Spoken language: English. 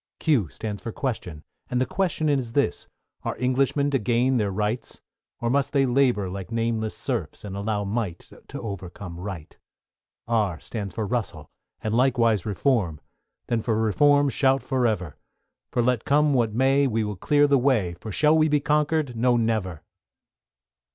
=Q= stands for Question, and the Question is this, Are Englishmen to gain their Rights? Or must they labour like nameless serfs, And allow Might to overcome Right? =R= stands for Russell, and likewise Reform: Then for Reform shout for ever; For let come what may, we will clear the way, For shall we be conquered? No, never!